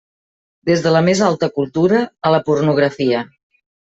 Des de la més alta cultura a la pornografia.